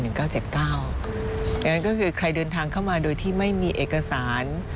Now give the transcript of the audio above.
ดังนั้นก็คือใครเดินทางเข้ามาโดยที่ไม่มีเอกสาร